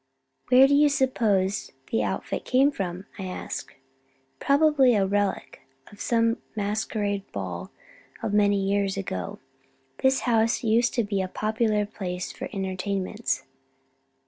"Where do you suppose the outfit came from?" I asked. "Probably a relic of some masquerade ball of many years ago. This house used to be a popular place for entertainments."